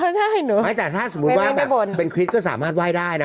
ใช่แต่ถ้าสมมุติว่าแบบเป็นฮิทก็สามารถไห้ได้นะ